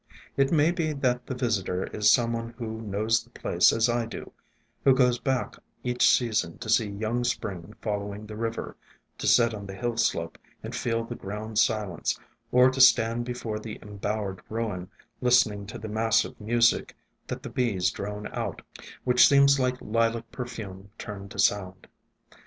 It may be that the visitor is some one who knows the place as I do, who goes back each sea son to see young Spring following the river, to sit on the hill slope and feel the ground silence, or to stand before the embowered ruin, listening to the massive music that the bees drone out, which seems like Lilac perfume turned to sound.